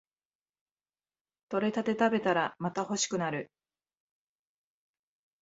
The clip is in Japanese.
採れたて食べたらまた欲しくなる